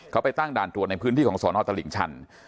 เขาไปตั้งด่านตรวจในพื้นที่ของสอนอตลิ่งชัน